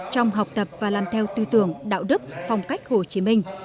trong học tập và làm theo tư tưởng đạo đức phong cách hồ chí minh